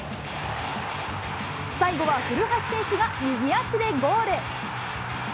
最後は古橋選手が右足でゴール。